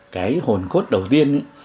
cái hồn cốt đầu tiên